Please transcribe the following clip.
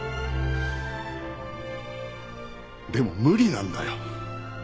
でも無理なんだよ。